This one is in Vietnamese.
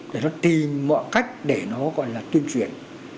để nó tìm mọi cách để nó gọi là tuyên truyền